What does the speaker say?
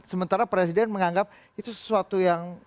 sementara presiden menganggap itu sesuatu yang